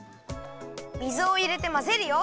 水をいれてまぜるよ。